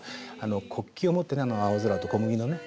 国旗を持ってねあの青空と小麦のね。